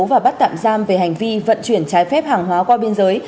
và bắt tạm giam về hành vi vận chuyển trái phép hàng hóa qua biên giới